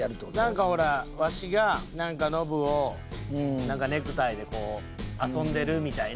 なんかほらわしがノブをネクタイでこう遊んでるみたいな。